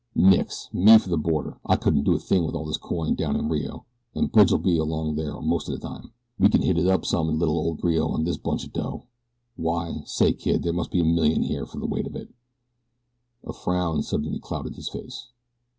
"Nix! Me for the border. I couldn't do a thing with all this coin down in Rio, an' Bridgie'll be along there most any time. We can hit it up some in lil' ol' Rio on this bunch o' dough. Why, say kid, there must be a million here, from the weight of it." A frown suddenly clouded his face.